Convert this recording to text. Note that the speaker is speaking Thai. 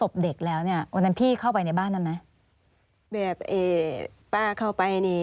แม้พาเข้าไป